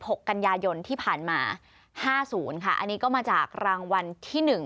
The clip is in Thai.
หกกันยายนที่ผ่านมาห้าศูนย์ค่ะอันนี้ก็มาจากรางวัลที่หนึ่ง